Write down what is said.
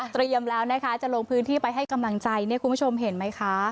แล้วนะคะจะลงพื้นที่ไปให้กำลังใจเนี่ยคุณผู้ชมเห็นไหมคะ